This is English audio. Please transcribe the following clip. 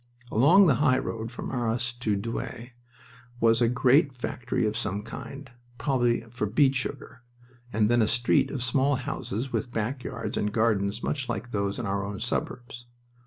Along the highroad from Arras to Douai was a great factory of some kind probably for beet sugar and then a street of small houses with back yards and gardens much like those in our own suburbs.